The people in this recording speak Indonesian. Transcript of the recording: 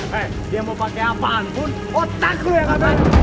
hei dia mau pakai apaan pun otak lo yang akan